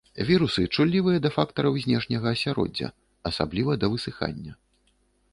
Вірусы чуллівыя да фактараў знешняга асяроддзя, асабліва да высыхання.